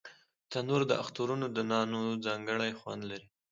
تنور د اخترونو د نانو ځانګړی خوند لري